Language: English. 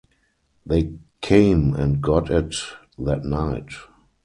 They came and got it that night.